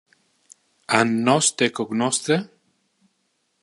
An nos te cognosce?